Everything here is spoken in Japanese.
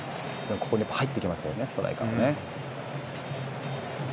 ここに入ってきますよねストライカーね。